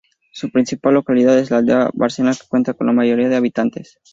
Su principal localidad es la aldea Bárcena que cuenta con la mayoría de habitantes.